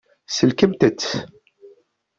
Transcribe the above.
Sellkemt-tt.